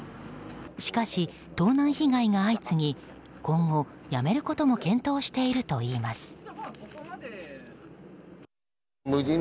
しかし盗難被害が相次ぎ今後、やめることも検討しているといいます。